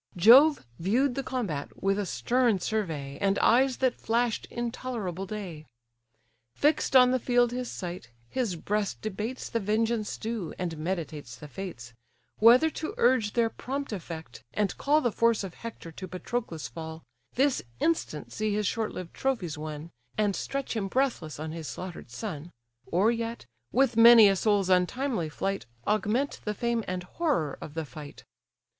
Jove view'd the combat with a stern survey, And eyes that flash'd intolerable day. Fix'd on the field his sight, his breast debates The vengeance due, and meditates the fates: Whether to urge their prompt effect, and call The force of Hector to Patroclus' fall, This instant see his short lived trophies won, And stretch him breathless on his slaughter'd son; Or yet, with many a soul's untimely flight, Augment the fame and horror of the fight.